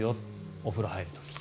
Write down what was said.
お風呂に入る時。